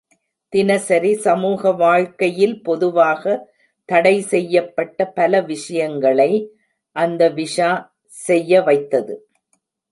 தினசரி சமூக வாழ்க்கையில் பொதுவாக தடை செய்யப்பட்ட பல விஷயங்களை அந்த விஷா செய்ய வைத்தது.